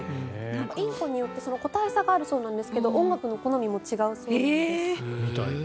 インコによって個体差があるようなんですが音楽の好みも違うそうなんです。